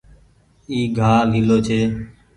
اي گآه ليلو ڇي۔